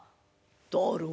「だろ？